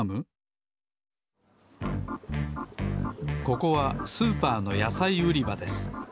ここはスーパーのやさいうりばです。